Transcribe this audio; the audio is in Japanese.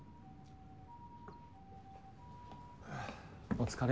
お疲れ。